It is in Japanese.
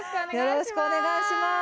よろしくお願いします。